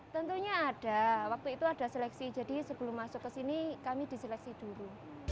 tentunya ada waktu itu ada seleksi jadi sebelum masuk ke sini kami diseleksi dulu